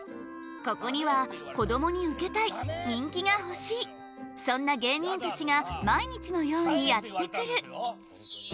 ここにはこどもにウケたい人気が欲しいそんな芸人たちが毎日のようにやって来る。